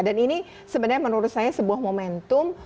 dan ini sebenarnya menurut saya sebuah momentum